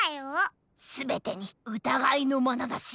すべてにうたがいのまなざし。